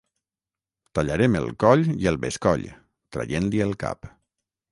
Tallarem el coll i el bescoll, traient-li el cap